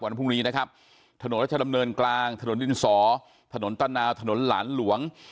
วันพรุ่งนี้นะครับถนนรัชดำเนินกลางถนนดินสอถนนตะนาวถนนหลานหลวง